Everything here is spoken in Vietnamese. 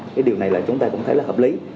cái điều này là chúng ta cũng thấy là hợp lý